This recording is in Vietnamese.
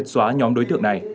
xóa nhóm đối tượng này